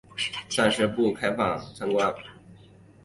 暂时不开放参观